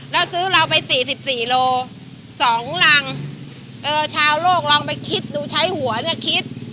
แล้วซื้อเราไป๔๔โล๒รังเออชาวโลกลองไปคิดดูใช้หัวเนี่ยคิด